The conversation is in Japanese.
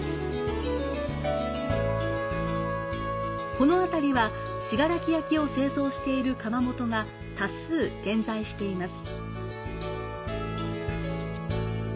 このあたりは信楽焼を製造している窯元が多数点在しています。